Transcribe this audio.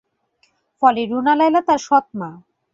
ফলে রুনা লায়লা তার সৎ মা।